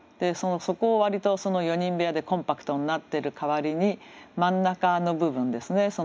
そこを割と４人部屋でコンパクトになってる代わりに真ん中の部分ですね。